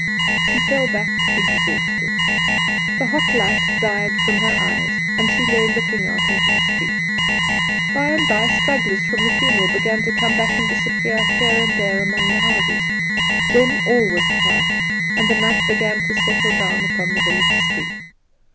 She fell back exhausted; the hot light died from her eyes, and she lay looking out into the street. By and by stragglers from the funeral began to come back and disappear here and there among the houses; then all was quiet, and the night began to settle down upon the village street.